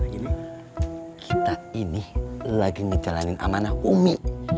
gini kita ini lagi ngejalanin amanah ummi